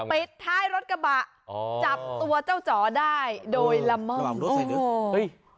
ปิดท้ายรถกระบะจับตัวเจ้าจ๋อได้โดยละเมิดเฉย